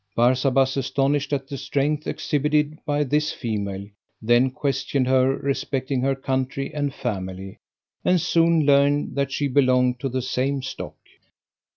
Barsabas, astonished at the strength exhibited by this female, then questioned her respecting her country and family, and soon learned that she belonged to the same stock.